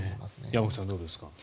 山口さん、どうですか？